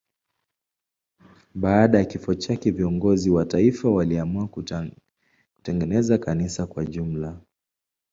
Baada ya kifo chake viongozi wa taifa waliamua kutengeneza kanisa kwa jumla.